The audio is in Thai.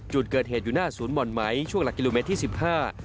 จุดเกิดเหตุอยู่หน้าศูนย์หม่อนไหมช่วงหลักกิโลเมตรที่สิบห้า